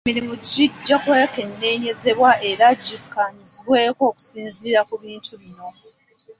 Emirimu gijja kwekenneenyezebwa era gikkaanyizibweko okusinziira ku bintu bino.